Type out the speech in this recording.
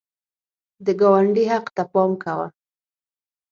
د ګاونډي حق ته پام کوه